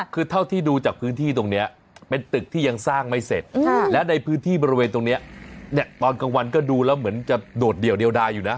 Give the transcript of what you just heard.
คือเท่าที่ดูจากพื้นที่ตรงนี้เป็นตึกที่ยังสร้างไม่เสร็จและในพื้นที่บริเวณตรงนี้ตอนกลางวันก็ดูแล้วเหมือนจะโดดเดี่ยวเดียวดายอยู่นะ